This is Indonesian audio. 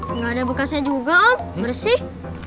enggak ada bekasnya juga om bersih